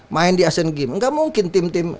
main di asian game gak mungkin tim tim